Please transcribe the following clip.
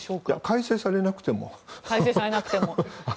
改正されなくてもですね。